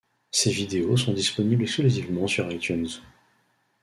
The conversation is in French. Ces vidéos sont disponibles exclusivement sur iTunes.